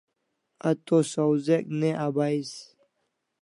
A to sawzek ne abais